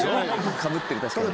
かぶってる確かに。